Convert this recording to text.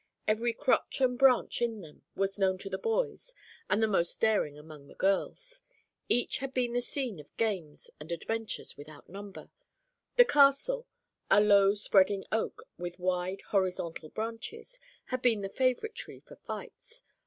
Every crotch and branch in them was known to the boys and the most daring among the girls; each had been the scene of games and adventures without number. "The Castle," a low spreading oak with wide, horizontal branches, had been the favorite tree for fights.